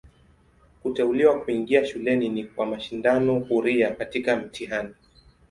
Kuteuliwa kuingia shuleni ni kwa mashindano huria katika mtihani.